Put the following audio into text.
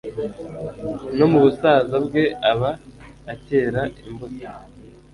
No mu busaza bwe aba akera imbuto